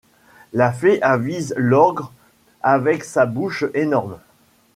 La fée avise l’ogre avec sa bouche énorme.